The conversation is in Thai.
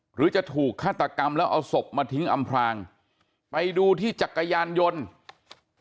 หรือจะถูกฆาตกรรมแล้วเอาศพมาทิ้งอำพลางไปดูที่จักรยานยนต์